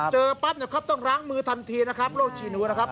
เจอปั๊บนะครับต้องล้างมือทันทีนะครับโรคชีหนูนะครับ